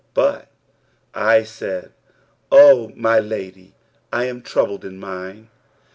But I said, 'O my lady, I am troubled in mind.'